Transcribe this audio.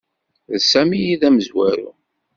D Sami ay d amezwaru.